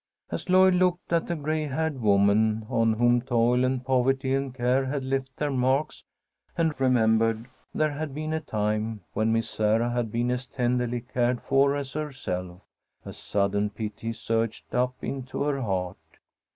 As Lloyd looked at the gray haired woman on whom toil and poverty and care had left their marks, and remembered there had been a time when Miss Sarah had been as tenderly cared for as herself, a sudden pity surged up into her heart.